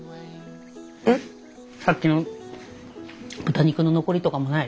さっきの豚肉の残りとかもない？